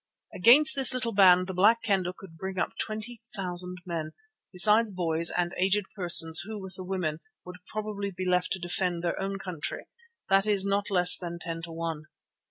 Against this little band the Black Kendah could bring up twenty thousand men, besides boys and aged persons who with the women would probably be left to defend their own country, that is, not less than ten to one.